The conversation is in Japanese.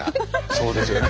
そうですよね。